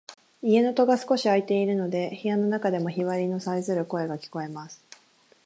家の戸が少し開いているので、部屋の中でもヒバリのさえずる声が聞こえます。